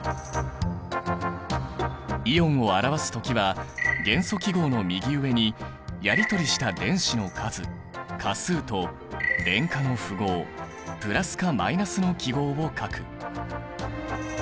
イオンを表す時は元素記号の右上にやりとりした電子の数価数と電荷の符号プラスかマイナスの記号を書く。